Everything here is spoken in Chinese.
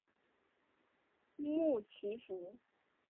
穆奇福。